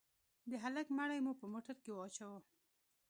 د هلك مړى مو په موټر کښې واچاوه.